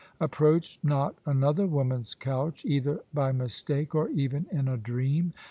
Approach not another woman's couch either by mistake or even in a dream.